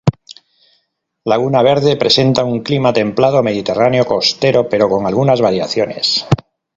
Laguna Verde presenta un clima templado mediterráneo costero, pero con algunas variaciones.